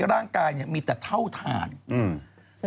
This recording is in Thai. ร่างกายเนี่ยมีแต่เท่าฐานอืม